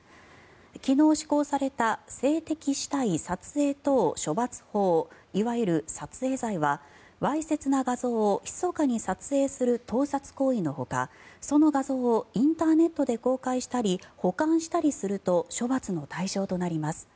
昨日、施行された性的姿態撮影等処罰法いわゆる撮影罪はわいせつな画像をひそかに撮影する盗撮行為のほかその画像をインターネットで公開したり保管したりすると処罰の対象となります。